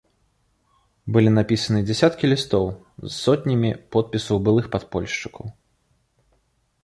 Былі напісаны дзясяткі лістоў з сотнямі подпісаў былых падпольшчыкаў.